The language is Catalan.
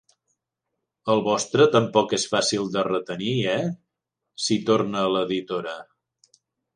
El vostre tampoc és fàcil de retenir, eh? —s'hi torna l'editora.